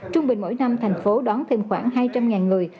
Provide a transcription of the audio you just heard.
trung bình mỗi năm thành phố đón thêm khoảng hai trăm linh người